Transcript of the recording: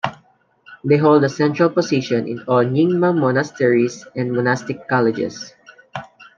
They hold a central position in all Nyingma monasteries and monastic colleges.